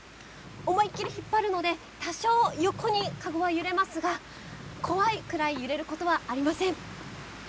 思いっきり引っ張るので、多少横に籠は揺れますが怖いくらい揺れることはありません。